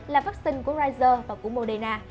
là vaccine của pfizer và của moderna